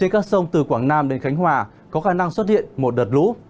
các sông từ quảng nam đến khánh hòa có khả năng xuất hiện một đợt lũ